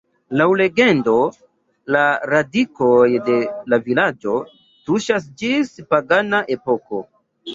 Laŭ legendo la radikoj de la vilaĝo tuŝas ĝis pagana epoko.